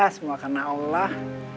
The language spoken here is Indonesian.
semua karena allah